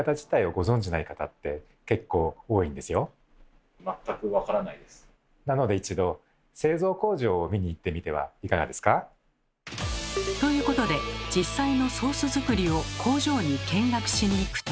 そもそもなので一度ということで実際のソース作りを工場に見学しに行くと。